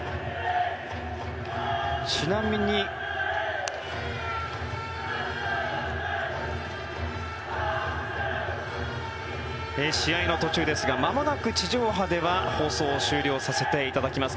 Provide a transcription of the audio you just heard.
ちなみに試合の途中ですがまもなく地上波では放送を終了させていただきます。